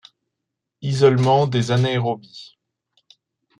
Isolement des anaérobies.